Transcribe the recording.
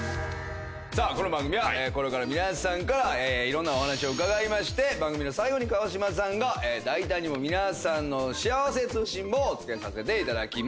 この番組はこれから皆さんからいろんなお話を伺いまして番組の最後に川島さんが大胆にも皆さんの幸せ通信簿を付けさせていただきます。